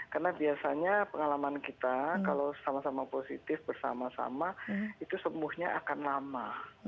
karena biasanya pengalaman kita kalau sama sama positif bersama sama itu sembuhnya akan lama